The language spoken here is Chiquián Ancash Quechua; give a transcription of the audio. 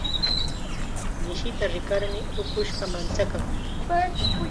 Mishita rikarmi ukushqa manchakan.